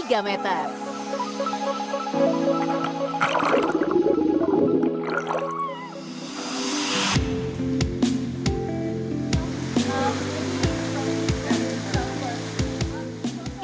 perjalanan ke sungai cijulang